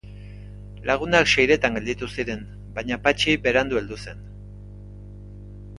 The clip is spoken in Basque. Lagunak seiretan gelditu ziren, baina Patxi berandu heldu zen.